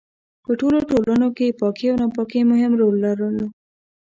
په ټولو ټولنو کې پاکي او ناپاکي مهم رول لرلو.